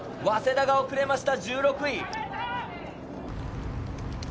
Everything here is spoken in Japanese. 早稲田が遅れました、１６位。